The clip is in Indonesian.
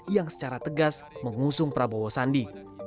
yang secara tegas mengusung prabowo sandi